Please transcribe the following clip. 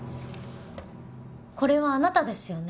これはあなたですよね？